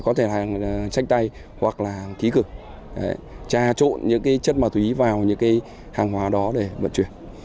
có thể là tranh tay hoặc là khí cực trà trộn những chân ma túy vào những hàng hóa đó để vận chuyển